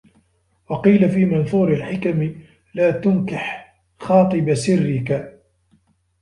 وَقِيلَ فِي مَنْثُورِ الْحِكَمِ لَا تُنْكِحْ خَاطِبَ سِرِّك